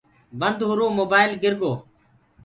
بند هوُرو موبآئيل گِرگو۔